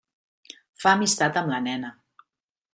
Fa amistat amb la nena.